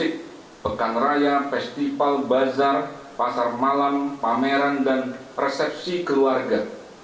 di pekan raya festival bazar pasar malam pameran dan resepsi keluarga